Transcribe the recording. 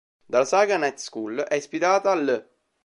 Dalla saga "Night School" è ispirata l'.